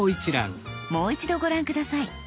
もう一度ご覧下さい。